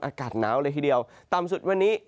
อากาศหนาวเลยทีเดียวต่ำสุดวันนี้